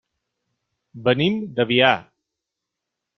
Venim de Biar.